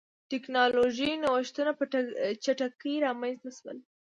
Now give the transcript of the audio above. ټکنالوژیکي نوښتونه په چټکۍ رامنځته شول.